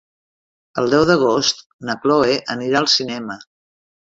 El deu d'agost na Cloè anirà al cinema.